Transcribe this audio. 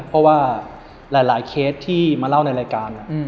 เพราะว่าหลายเคสที่มาเล่าในรายการ